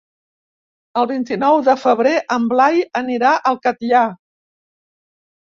El vint-i-nou de febrer en Blai anirà al Catllar.